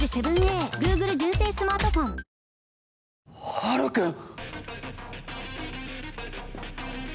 ハルくん！